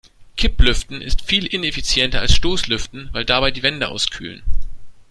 Kipplüften ist viel ineffizienter als Stoßlüften, weil dabei die Wände auskühlen.